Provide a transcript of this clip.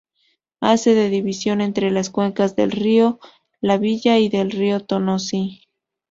Hace de división entre las cuencas del río La Villa y del río Tonosí.